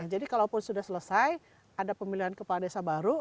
jadi kalau pun sudah selesai ada pemilihan kepala desa baru